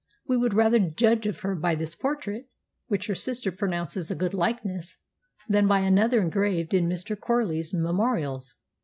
We would rather judge of her by this portrait (which her sister pronounces a good likeness) than by another engraved in Mr. Chorley's Memorials.